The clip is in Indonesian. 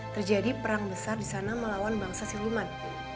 terjadi perang besar di sana melawan bangsa siluman